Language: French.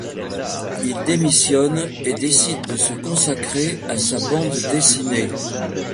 Il démissionne et décide de se consacrer à sa bande dessinée.